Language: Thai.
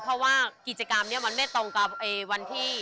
เพราะว่ากิจกรรมนี้มันไม่ตรงกับวันที่